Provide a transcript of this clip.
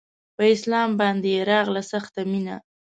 په اسلام باندې يې راغله سخته مينه